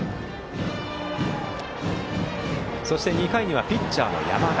そして２回にはピッチャーの山田。